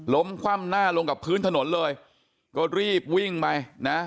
คว่ำหน้าลงกับพื้นถนนเลยก็รีบวิ่งไปนะ